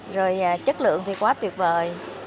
rồi chất lượng thì quá tuyệt vời